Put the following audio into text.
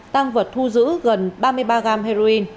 tăng vật thu giữ gần ba mươi ba gram heroin